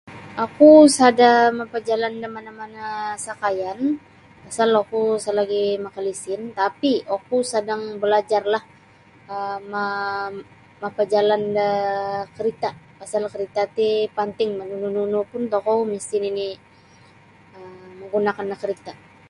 Oku sada mapajalan da mana-mana sakayan pasal oku sa lagi' makalesen tapi' oku sadang balajarlah um ma mapajalan da karita' pasal karita' ti panting boh nunu-nunu pun tokou misti nini' um menggunakan da karita'.